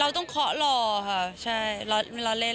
เราต้องขอหล่อค่ะใช่เราเล่น